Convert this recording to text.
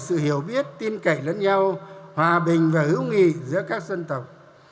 sự hiểu biết tin cậy lẫn nhau hòa bình và hữu nghị giữa các dân tộc